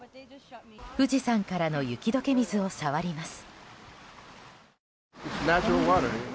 富士山からの雪解け水を触ります。